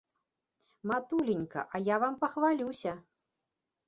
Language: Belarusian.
Матуленька, а я вам пахвалюся!